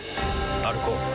歩こう。